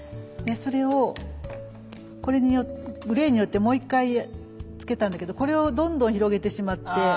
それをグレーによってもう一回つけたんだけどこれをどんどん広げてしまって。